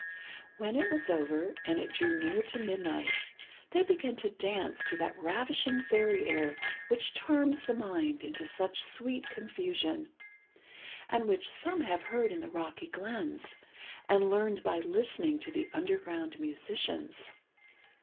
When it was over, and it drew near to midnight, they began to dance to that ravishing fairy air which charms the mind into such sweet confusion, and which some have heard in the rocky glens, and learned by listening to the underground musicians.